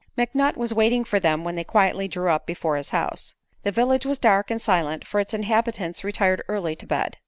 McNutt was waiting for them when they quietly drew up before his house. The village was dark and silent, for its inhabitants retired early to bed.